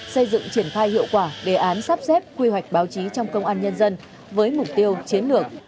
xây dựng triển khai hiệu quả đề án sắp xếp quy hoạch báo chí trong công an nhân dân với mục tiêu chiến lược